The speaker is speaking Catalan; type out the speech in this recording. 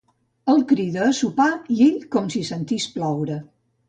El crida a sopar i ell com si sentís ploure.